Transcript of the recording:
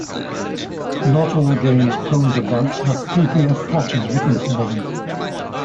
Not all games prone to bugs have ppf patches written for them.